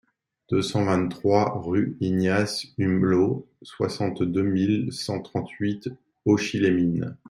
deux cent vingt-trois rue Ignace Humblot, soixante-deux mille cent trente-huit Auchy-les-Mines